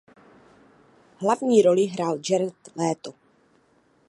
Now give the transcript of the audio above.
Hlavní roli hrál Jared Leto.